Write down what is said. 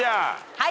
はい。